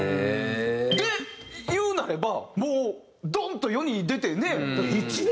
で言うなればもうドン！と世に出てね。